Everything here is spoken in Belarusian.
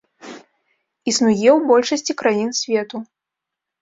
Існуе ў большасці краін свету.